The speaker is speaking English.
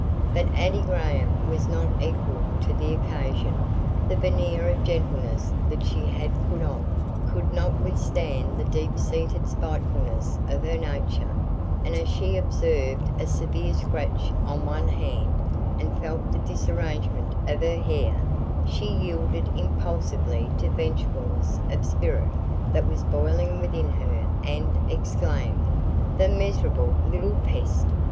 But Addie Graham was not equal to the occasion. The veneer of gentleness that she had put on could not withstand the deep seated spitefulness of her nature, and as she observed a severe scratch on one hand and felt the disarrangement of her hair, she yielded impulsively to vengefulness of spirit that was boiling within her and exclaimed: "The miserable little pest!